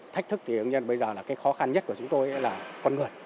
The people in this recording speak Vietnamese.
thách thức thì bây giờ là cái khó khăn nhất của chúng tôi là con người